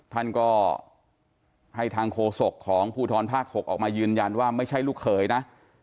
ท่านก็ให้ทางโฆษกของภูทรภาค๖ออกมายืนยันว่าไม่ใช่ลูกเขยนะ